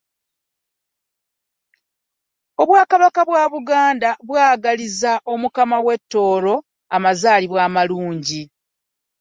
Obwakabaka bwa Buganda bwagaliza Omukama wa Tooro amazaalibwa amalungi.